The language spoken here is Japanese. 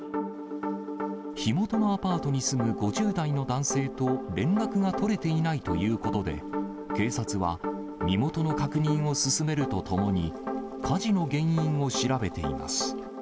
火元のアパートに住む５０代の男性と連絡が取れていないということで、警察は身元の確認を進めるとともに、火事の原因を調べています。